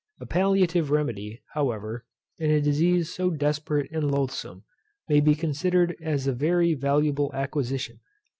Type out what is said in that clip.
A palliative remedy, however, in a disease so desperate and loathsome, may be considered as a very valuable acquisition.